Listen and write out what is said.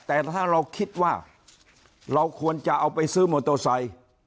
แต่ถ้าเราคิดว่าเราควรจะเอาไปซื้อมอเตอร์ไซค์